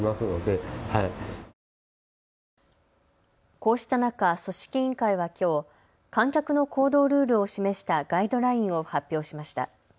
こうした中、組織委員会はきょう観客の行動ルールを示したガイドラインを発表しました。